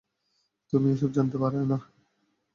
তুমি এসব জানতে পারো না।